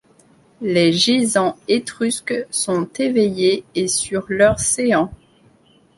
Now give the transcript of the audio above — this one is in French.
Les gisants étrusques sont éveillés et sur leur séant.